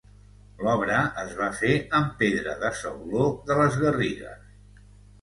L'obra es va fer amb pedra de sauló de les Garrigues.